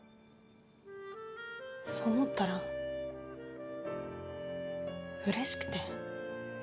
そう思ったらうれしくて。